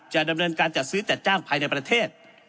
จะดำเนินการจัดซื้อจัดจ้างภายในประเทศ